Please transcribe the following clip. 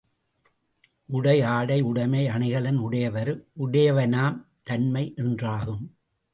உடை ஆடை, உடைமை அணிகலன், உடையவர் உடையவனாம் தன்மை என்றாகும்.